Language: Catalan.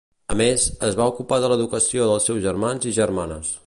A més, es va ocupar de l'educació dels seus germans i germanes.